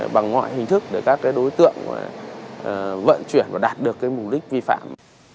bằng mọi hình thức để các đối tượng vận chuyển và đạt được mục đích vi phạm